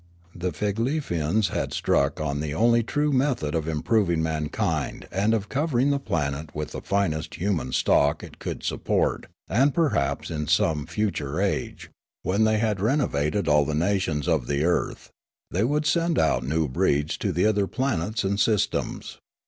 The Figlefians had struck on the only true method of improving mankind and of covering the planet with the finest human stock it could support ; and perhaps in some future age, Sneekape 165 when they had renovated all the nations of the earth, they would send out new breeds to the other planets and systems.